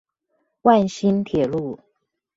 萬新鐵路